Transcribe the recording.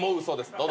どうぞ。